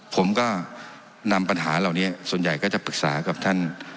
ผมก็นำปัญหาเหล่านี้ส่วนใหญ่ก็จะปรึกษากับท่าน